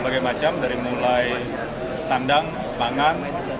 banyak macam come mulai sandang bangang